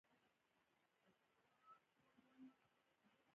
د نړۍ د سترو تولیدوونکو په کتار کې دریدلي.